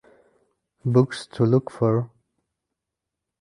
Books to Look For.